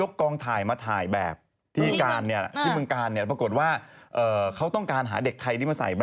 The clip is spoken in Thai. เป็นอาจิตอาศาแบบค่อยบกรุ๊ดค่อยอะไรยังงี้ด้วย